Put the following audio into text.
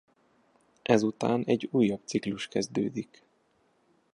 Ezután egy újabb ciklus kezdődik.